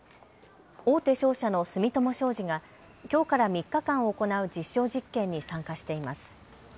大手商社の住友商事がきょうから３日間行う実証実験に参加しています。